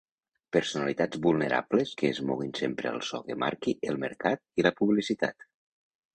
Personalitats vulnerables que es moguin sempre al so que marqui el mercat i la publicitat.